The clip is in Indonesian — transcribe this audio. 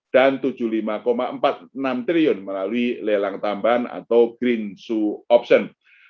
dan rp tujuh puluh lima empat puluh enam triliun melalui lelang tambahan atau green zoo option